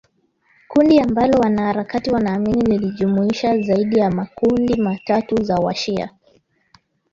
kundi ambalo wanaharakati wanaamini lilijumuisha zaidi ya makundi ma tatu za washia